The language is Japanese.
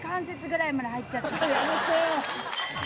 やめてよ！